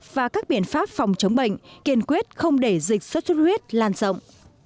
và các biện pháp phòng chống bệnh kiên quyết không để dịch suất suất huyết lan rộng